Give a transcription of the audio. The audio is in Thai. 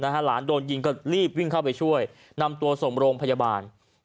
หลานโดนยิงก็รีบวิ่งเข้าไปช่วยนำตัวส่งโรงพยาบาล